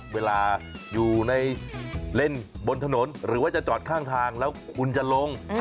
เวลาอยู่ในเล่นบนถนนหรือว่าจะจอดข้างทางแล้วคุณจะลง